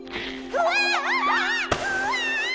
うわ！